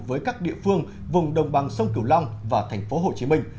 với các địa phương vùng đồng bằng sông cửu long và thành phố hồ chí minh